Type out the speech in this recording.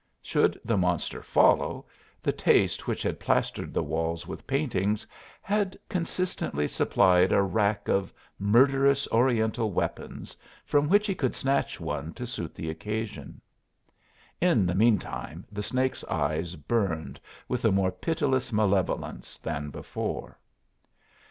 Should the monster follow, the taste which had plastered the walls with paintings had consistently supplied a rack of murderous Oriental weapons from which he could snatch one to suit the occasion. In the mean time the snake's eyes burned with a more pitiless malevolence than before.